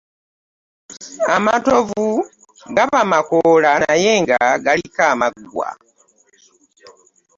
Amatovu gaba makoola naye nga galiko amaggwa.